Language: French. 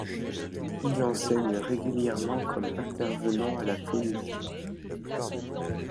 Il enseigne régulièrement comme intervenant à la Femis.